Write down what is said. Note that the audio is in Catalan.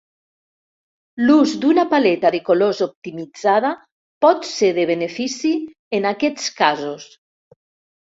L'ús d'una paleta de colors optimitzada pot ser de benefici en aquests casos.